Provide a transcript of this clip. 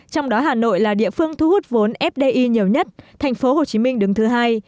trong đó hà nội là địa phương thu hút vốn fdi nhiều nhất thành phố hồ chí minh đứng thứ hai